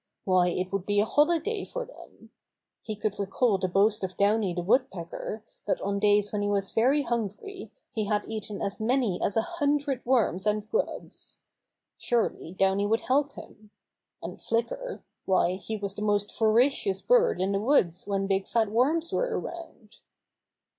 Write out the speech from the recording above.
Why, it would be a holiday for them! He could recall the boast of Downy the Wood pecker that on days when he was very hungry he had eaten as many as a hundred worms and The Big Tree Is to Be Cut Down 61 grubs. Surely Downy would help him! And Flicker — why, he was the most voracious bird in the woods when big fat worms were around!